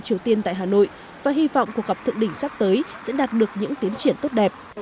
triều tiên tại hà nội và hy vọng cuộc gặp thượng đỉnh sắp tới sẽ đạt được những tiến triển tốt đẹp